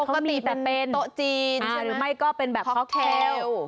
ปกติแต่เป็นโต๊ะจีนหรือไม่ก็เป็นแบบค็อกแคล